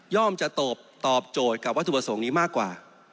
จะตอบโจทย์กับวัตถุประสงค์นี้มากกว่า